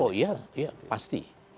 oh ya pasti